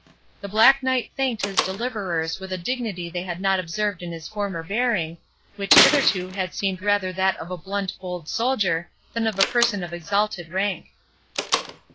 The Black Knight thanked his deliverers with a dignity they had not observed in his former bearing, which hitherto had seemed rather that of a blunt bold soldier, than of a person of exalted rank.